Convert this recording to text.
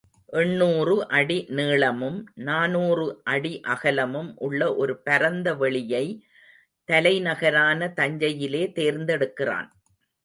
எண்ணூறு அடி நீளமும், நானூறு அடி அகலமும் உள்ள ஒரு பரந்த வெளியை தலைநகரான தஞ்சையிலே தேர்ந்தெடுக்கிறான்.